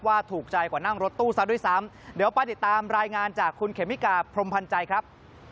ถูกใจกว่านั่งรถตู้ซะด้วยซ้ำเดี๋ยวไปติดตามรายงานจากคุณเขมิกาพรมพันธ์ใจครับ